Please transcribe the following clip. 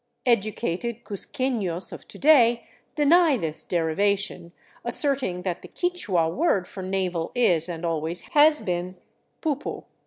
Educated cuzquefios of to day deny this derivation, asserting that the Quichua word for navel is, and always has been, pupu.